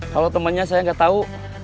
kalau temannya saya nggak tahu